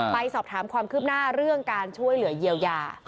ไปสอบถามความคืบหน้าเรื่องการช่วยเหลือเยียวยา